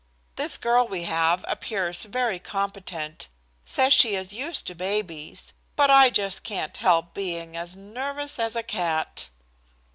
This girl we have appears very competent, says she is used to babies, but I just can't help being as nervous as a cat."